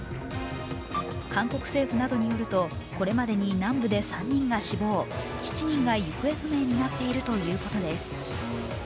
韓国政府などによるとこれまでに南部で３人が死亡、７人が行方不明になっているということです。